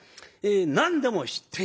何でも知っている。